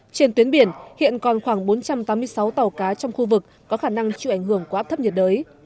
trên tuyến biển hiện còn khoảng bốn trăm tám mươi sáu tàu cá trong khu vực có khả năng chịu ảnh hưởng của áp thấp nhiệt đới